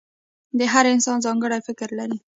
• هر انسان ځانګړی فکر لري.